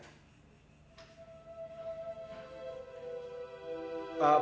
itu resiko aku ayah